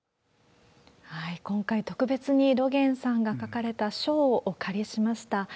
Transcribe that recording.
今回、特別に露巌さんが書かれた書をお借りしました。